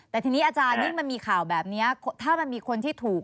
แต่ทีนี้อาจารยิ่งมันมีข่าวแบบนี้ถ้ามันมีคนที่ถูก